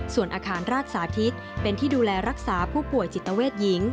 ส่วนอาคารราชสาธิตเป็นที่ดูแลรักษาผู้ป่วยจิตเวทหญิง